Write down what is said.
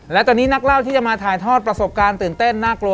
และตอนนี้นักเล่าที่จะมาถ่ายทอดประสบการณ์ตื่นเต้นน่ากลัว